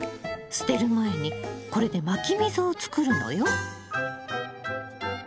捨てる前にこれでまき溝を作るのよ。